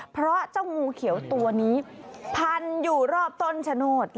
เพราะเจ้างูเขียวตัวนี้พันอยู่รอบต้นชะโนธ